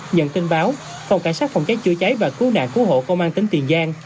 nhận tin báo phòng cảnh sát phòng cháy chữa cháy và cứu nạn cứu hộ công an tỉnh tiền giang